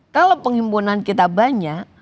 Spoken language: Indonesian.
kalau penghimpunan kita banyak